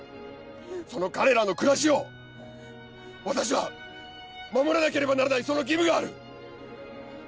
その彼らの暮らしを私は守らなければならないその義務がある！